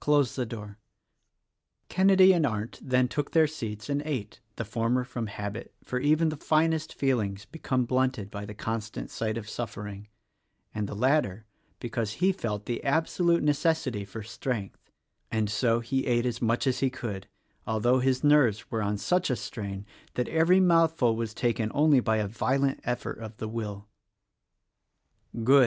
close the door." Kenedy and Arndt then took their seats and ate — the former from habit, for even the finest feelings become blunted by the constant sight of suffering — and the latter because he felt the absolute necessity for strength: and so he ate as much as he could, although his nerves were on such a strain that every mouthful was taken only by a violent effort of the will. "Good!"